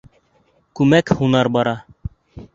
— Күмәк һунар бара.